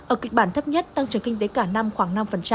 ở kịch bản thấp nhất tăng trưởng kinh tế cả năm khoảng năm